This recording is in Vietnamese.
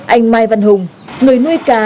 anh mai văn hùng người nuôi cá